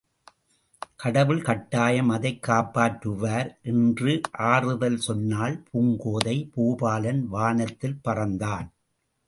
கடவுள் கட்டாயம் அதைக் காப்பாற்றுவார் என்று ஆறுதல் சொன்னாள் பூங்கோதை, பூபாலன் வானத்தில் பறந்தான்.